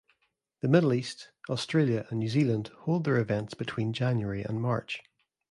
The Middle East, Australia and New Zealand hold their events between January and March.